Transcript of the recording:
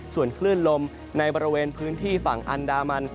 ส่วนคลื่นลมในบริเวณพื้นที่ฝั่งอันดามัน